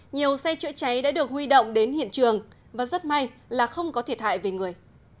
nhiều xe chữa cháy đã được huy động đến hiện trường và rất may là không có thiệt hại về người